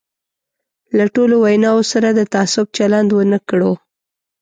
له ټولو ویناوو سره د تعصب چلند ونه کړو.